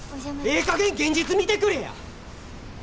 ええかげん現実見てくれや！